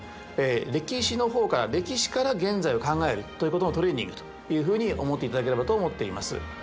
歴史の方から歴史から現在を考えるということのトレーニングというふうに思っていただければと思っています。